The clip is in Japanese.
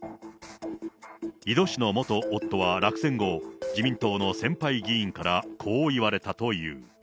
井戸氏の元夫は落選後、自民党の先輩議員からこう言われたという。